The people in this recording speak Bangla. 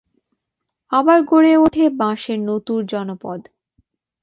আবার গড়ে ওঠে বাঁশের নতুন জনপদ।